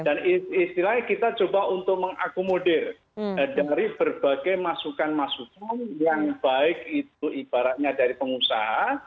dan istilahnya kita coba untuk mengakomodir dari berbagai masukan masukan yang baik itu ibaratnya dari pengusaha